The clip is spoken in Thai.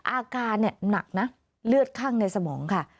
อาการเนี่ยหนักนะเลือดข้างในสมองค่ะ